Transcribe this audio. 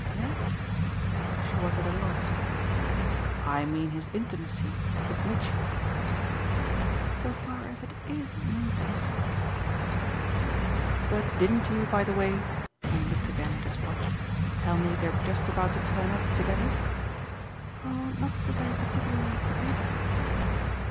"'That'?" she was at a loss. "I mean his intimacy with Mitchy." "So far as it IS an intimacy." "But didn't you, by the way" and he looked again at his watch "tell me they're just about to turn up together?" "Oh not so very particularly together."